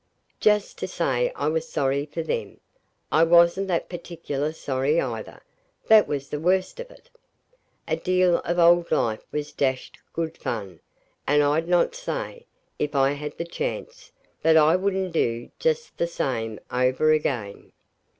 Just to say I was sorry for them. I wasn't that particular sorry either that was the worst of it. A deal of the old life was dashed good fun, and I'd not say, if I had the chance, that I wouldn't do just the same over again.